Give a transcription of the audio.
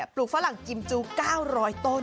ลูกฝรั่งกิมจู๙๐๐ต้น